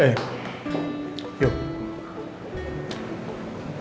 hati hati di jalan ya